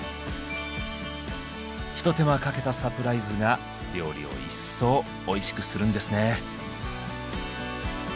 ひと手間かけたサプライズが料理を一層おいしくするんですね。